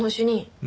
うん？